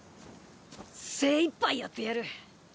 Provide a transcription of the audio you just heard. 精いっぱいやってやる。